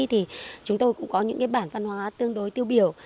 thì chúng tôi cũng có những bản văn hóa tương đối tiêu biểu